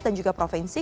dan juga provinsi